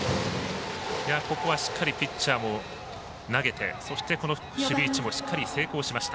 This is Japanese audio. ここはしっかりピッチャーも投げてそして、守備位置もしっかり成功しました。